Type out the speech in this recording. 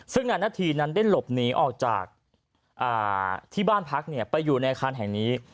ซึ่งนายนาธีนั้นได้หลบหนีออกจากที่บ้านพักไปอยู่ในอาคารแห่งนี้